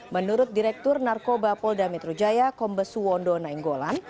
menurut direktur narkoba polda metro jaya kombesuwondo nainggolan